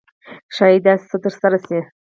ښایي داسې څه ترسره شي.